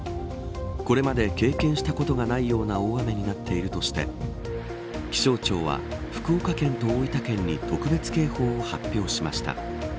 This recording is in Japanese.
これまで経験したことがないような大雨になっているとして気象庁は、福岡県と大分県に特別警報を発表しました。